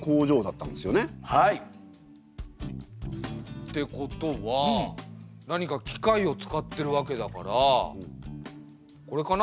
ってことは何か機械を使ってるわけだからこれかな？